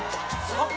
あっ！